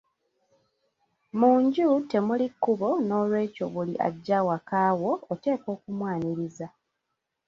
Mu nju temuli kkubo, n'olwekyo buli ajja awaka wo oteekwa okumwaniriza.